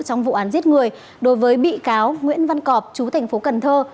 trong vụ án giết người đối với bị cáo nguyễn văn cọp chú thành phố cần thơ